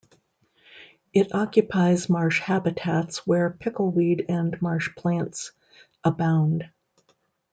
It occupies marsh habitats where pickleweed and marsh plants abound.